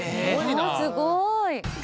「すごい！」